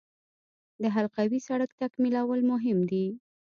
د حلقوي سړک تکمیلول مهم دي